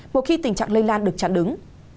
một khi tình trạng lây lan được chặn đứng